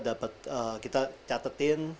dan disitu kita catetin